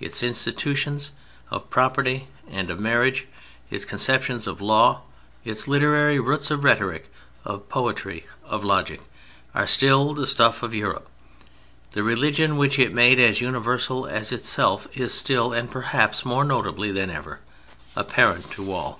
Its institutions of property and of marriage; its conceptions of law; its literary roots of Rhetoric, of Poetry, of Logic, are still the stuff of Europe. The religion which it made as universal as itself is still, and perhaps more notably than ever, apparent to all.